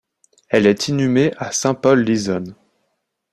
Elle est inhumée à Saint-Paul-Lizonne.